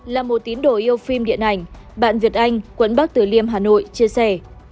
là một tín đồ yêu phim điện ảnh bạn việt anh quận bắc tử liêm hà nội chia sẻ